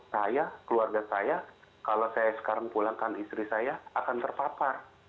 saya keluarga saya kalau saya sekarang pulangkan istri saya akan terpapar